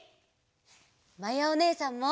まやおねえさんも！